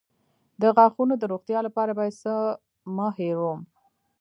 د غاښونو د روغتیا لپاره باید څه مه هیروم؟